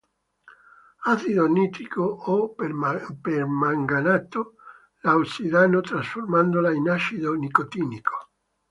Acido nitrico o permanganato la ossidano, trasformandola in acido nicotinico.